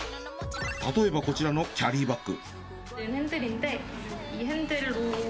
例えばこちらのキャリーバッグ。